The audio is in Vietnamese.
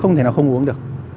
không thể nào không uống được